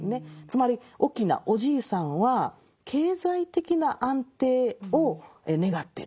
つまり翁おじいさんは経済的な安定を願ってる。